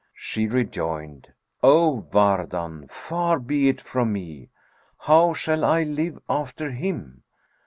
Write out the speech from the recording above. She rejoined, 'O Wardan, far be it from me! How shall I live after him?